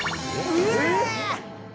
えっ？